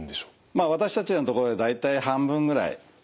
まあ私たちのところで大体半分ぐらいですかね。